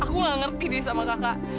aku gak ngerti deh sama kakak